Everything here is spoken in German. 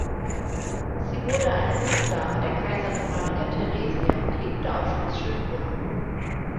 Sie wurde eine Hofdame der Kaiserin Maria Theresia und lebte auf Schloss Schönbrunn.